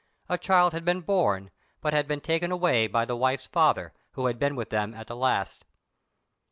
A child had been born, but had been taken away by the wife's father, who had been with them at the last.